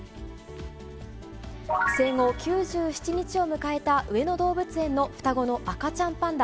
生後９７日を迎えた上野動物園の双子の赤ちゃんパンダ。